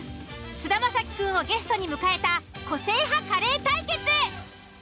菅田将暉くんをゲストに迎えた個性派カレー対決。